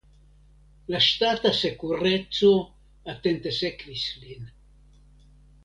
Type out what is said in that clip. La ŝtata sekureco atente sekvis lin.